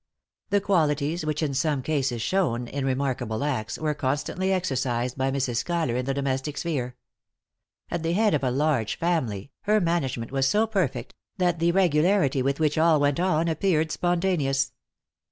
The qualities which in some cases shone in remarkable acts, were constantly exercised by Mrs. Schuyler in the domestic sphere. At the head of a large family, her management was so perfect that the regularity with which all went on appeared spontaneous.